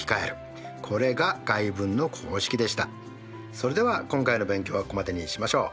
それでは今回の勉強はここまでにしましょう。